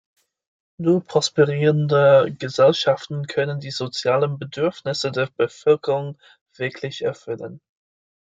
Nur prosperierende Gesellschaften können die sozialen Bedürfnisse der Bevölkerung wirklich erfüllen.